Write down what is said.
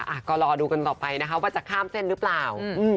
ค่ะก็เรารอดูคลิปก่อนต่อไปว่าจะข้ามเต้นหรือเปล่า